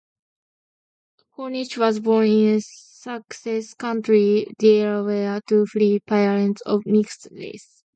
Cornish was born in Sussex County, Delaware, to free parents of mixed race.